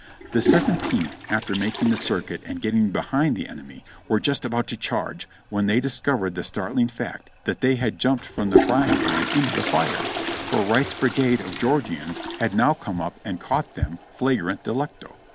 The Seventeenth, after making the circuit and getting behind the enemy, were just about to charge, when they discovered the startling fact that they had jumped from the frying pan into the fire, for Wright's brigade of Georgians had now come up and caught them flagrante delicto.